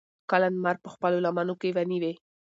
کله نمر پۀ خپلو لمنو کښې ونيوي